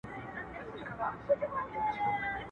ياران ماران دي، خوړل کوي، نا اشنا ښه دي، اشنا ټکل کوي.